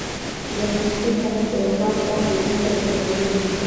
د منشي صاحب د وفات غم د دوي کشر ورور